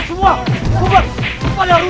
jangan sampai lolos